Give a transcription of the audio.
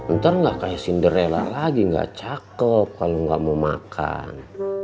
ntar gak kayak cinderella lagi gak cakep kalau gak mau makan